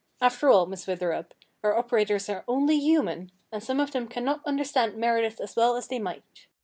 After all, Miss Witherup, our operators are only human, and some of them cannot understand Meredith as well as they might."